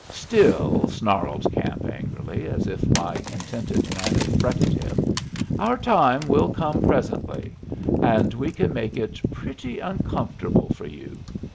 "Still," snarled Camp, angrily, as if my contented manner fretted him, "our time will come presently, and we can make it pretty uncomfortable for you.